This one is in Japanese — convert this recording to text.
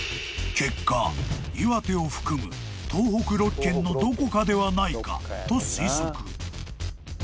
［結果岩手を含む東北６県のどこかではないかと推測］